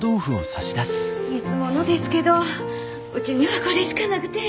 いつものですけどうちにはこれしかなくて。